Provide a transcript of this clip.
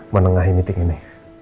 menengahi meeting ini